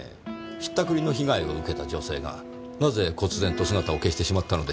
引ったくりの被害を受けた女性がなぜ忽然と姿を消してしまったのでしょう。